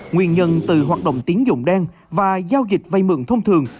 nguyên nhân từ hoạt động tiến dụng đen và giao dịch vay mượn thông thường